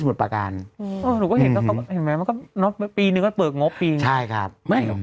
มันก็ปีนึงมันเปิดงบออกไป